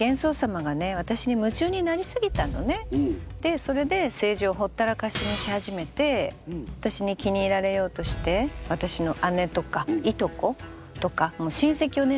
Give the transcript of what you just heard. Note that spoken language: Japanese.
あのねでそれで政治をほったらかしにし始めて私に気に入られようとして私の姉とかいとことか親戚をね